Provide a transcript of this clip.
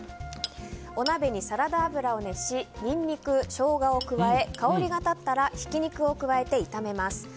お鍋にサラダ油を熱しニンニク、ショウガを加え香りが立ったらひき肉を加えて炒めます。